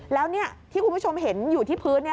แล้วที่คุณผู้ชมเห็นอยู่ที่พื้น